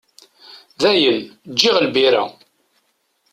Dayen, ǧǧiɣ lbira.